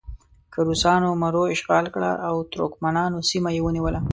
که روسانو مرو اشغال کړه او ترکمنانو سیمه یې ونیوله.